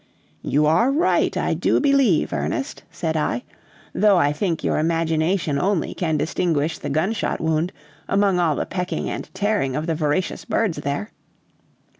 "You are right, I do believe, Ernest," said I, "though I think your imagination only can distinguish the gunshot wound among all the pecking and tearing of the voracious birds there.